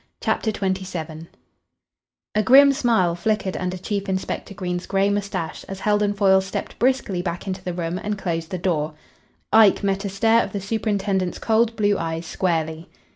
CHAPTER XXVII A grim smile flickered under Chief Inspector Green's grey moustache as Heldon Foyle stepped briskly back into the room and closed the door. Ike met a stare of the superintendent's cold blue eyes squarely.